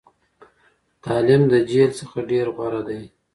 تعليم له جهل څخه ډېر غوره دی.